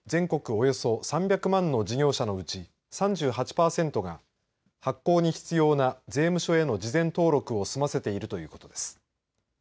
およそ３００万の事業者のうち３８パーセントが発行に必要な税務署への事前登録を済ませているということです。